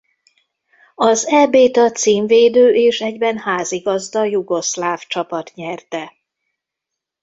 Az Eb-t a címvédő és egyben házigazda jugoszláv csapat nyerte.